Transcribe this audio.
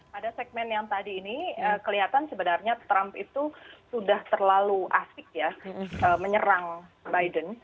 pada segmen yang tadi ini kelihatan sebenarnya trump itu sudah terlalu asik ya menyerang biden